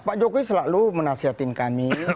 pak jokowi selalu menasihatin kami